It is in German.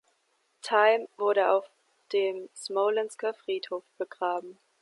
Time wurde auf dem Smolensker Friedhof begraben.